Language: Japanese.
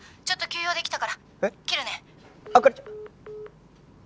ちょっと急用できたから切るね」